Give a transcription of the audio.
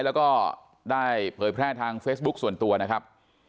แล้วก็ได้เผยแพร่ทางเฟซบุ๊คส่วนตัวนะครับ